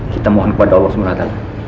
kita mohon kepada allah swt